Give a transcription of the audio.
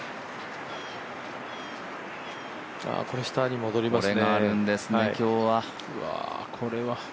これ、下に戻りますね。